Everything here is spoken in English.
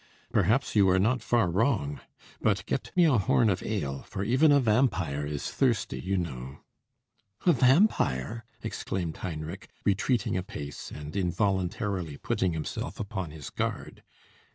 "Perhaps you were not far wrong. But get me a horn of ale, for even a vampire is thirsty, you know." "A vampire!" exclaimed Heinrich, retreating a pace, and involuntarily putting himself upon his guard.